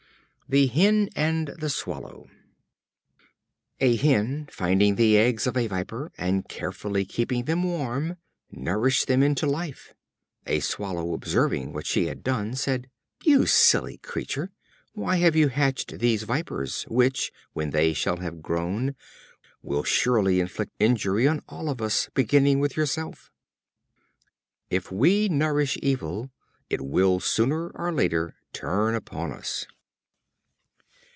The Hen and the Swallow. A Hen finding the eggs of a viper, and carefully keeping them warm, nourished them into life. A Swallow observing what she had done, said: "You silly creature! Why have you hatched these vipers, which, when they shall have grown, will surely inflict injury on all of us, beginning with yourself?" If we nourish evil, it will sooner or later turn upon us.